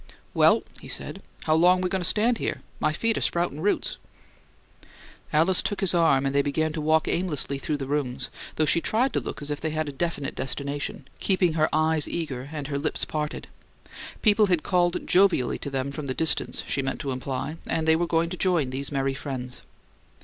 "Well," he said. "How long we goin' to stand here? My feet are sproutin' roots." Alice took his arm, and they began to walk aimlessly through the rooms, though she tried to look as if they had a definite destination, keeping her eyes eager and her lips parted; people had called jovially to them from the distance, she meant to imply, and they were going to join these merry friends.